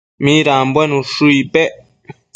midanbuen ushë icpec?